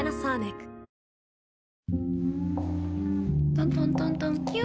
トントントントンキュ。